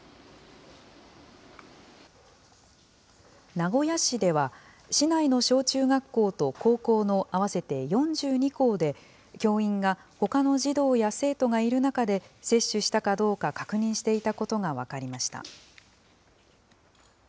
名古屋市では、市内の小中学校と高校の合わせて４２校で、教員がほかの児童や生徒がいる中で、接種したかどうか確認していたことが分かりました。